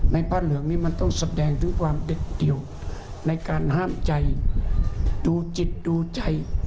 ผ้าเหลืองนี้มันต้องแสดงถึงความเด็ดเดี่ยวในการห้ามใจดูจิตดูใจ